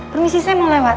permisi saya mau lewat